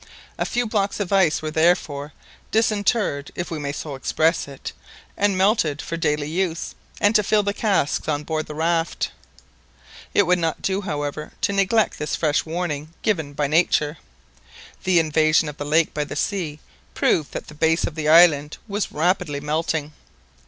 A few blocks of ice were therefore "disinterred," if we may so express it, and melted for daily use, and to fill the casks on board the raft. It would not do, however, to neglect this fresh warning given by nature. The invasion of the lake by the sea proved that the base of the island was rapidly melting.